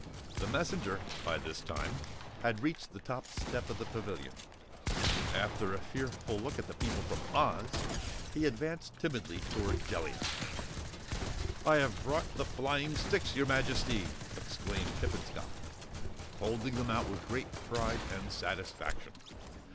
The messenger, by this time had reached the top step of the Pavilion. After a fearful look at the people from Oz, he advanced timidly toward Jellia. "I have brought the flying sticks, your Majesty!" explained Hippenscop, holding them out with great pride and satisfaction.